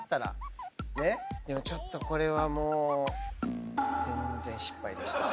ちょっとこれはもう全然失敗でした。